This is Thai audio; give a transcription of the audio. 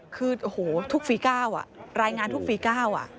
คือโอ้โหทุกฟี๙รายงานทุกฟี๙